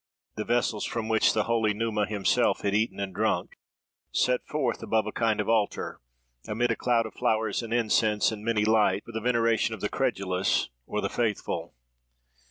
—the vessels from which the holy Numa himself had eaten and drunk, set forth above a kind of altar, amid a cloud of flowers and incense, and many lights, for the veneration of the credulous or the faithful.